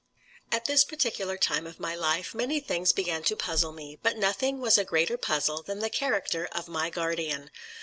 At this particular time of my life, many things began to puzzle me, but nothing was a greater puzzle than the character of my guardian.